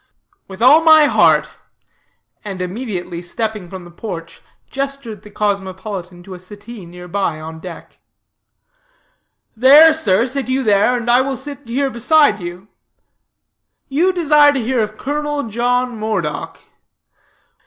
"With all my heart," and immediately stepping from the porch, gestured the cosmopolitan to a settee near by, on deck. "There, sir, sit you there, and I will sit here beside you you desire to hear of Colonel John Moredock.